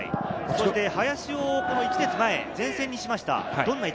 林を１列前、前線にしました。